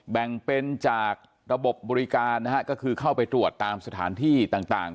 แบ่งเป็นจากระบบบริการนะฮะก็คือเข้าไปตรวจตามสถานที่ต่าง